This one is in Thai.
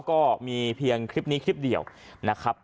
ก็มีเพียงคลิปนี้คลิปเดียวนะครับ